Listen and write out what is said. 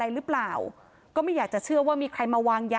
นี่ค่ะคือที่นี้ตัวใยทวดที่ทำให้สามีเธอเสียชีวิตรึเปล่าแล้วก็ไปพบศพในคลองหลังบ้าน